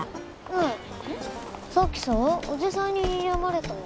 ねえさっきさおじさんににらまれた。